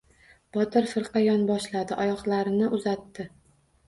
Botir firqa yonboshladi. Oyoqlarini uzatdi.